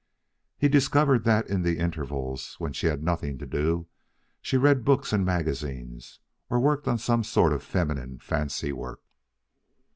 He discovered that in the intervals, when she had nothing to do, she read books and magazines, or worked on some sort of feminine fancy work.